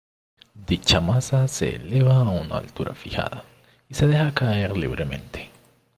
Dicha maza se eleva a una altura fijada, y se deja caer libremente.